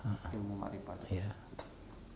ilmu ma'rifah itu